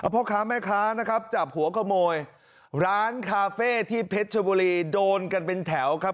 พ่อค้าแม่ค้านะครับจับหัวขโมยร้านคาเฟ่ที่เพชรชบุรีโดนกันเป็นแถวครับ